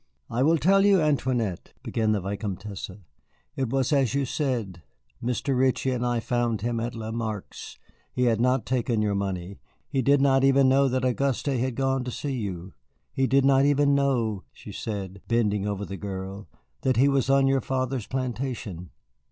"I will tell you, Antoinette," began the Vicomtesse; "it was as you said. Mr. Ritchie and I found him at Lamarque's. He had not taken your money; he did not even know that Auguste had gone to see you. He did not even know," she said, bending over the girl, "that he was on your father's plantation.